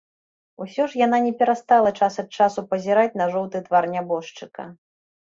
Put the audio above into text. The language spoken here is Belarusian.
Усё ж яна не перастала час ад часу пазіраць на жоўты твар нябожчыка.